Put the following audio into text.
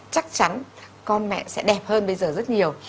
chắc chắn con mẹ sẽ đẹp hơn bây giờ rất nhiều